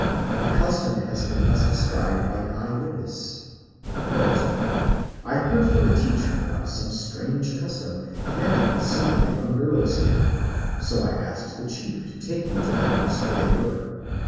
The custom has been thus described by an eye witness. "I heard from a teacher about some strange custom connected with some of the young girls here, so I asked the chief to take me to the house where they were.